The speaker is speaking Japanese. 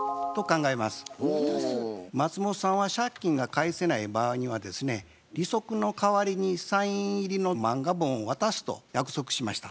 松本さんは借金が返せない場合にはですね利息の代わりにサイン入りの漫画本を渡すと約束しました。